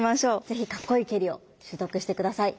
是非かっこいい蹴りを習得して下さい。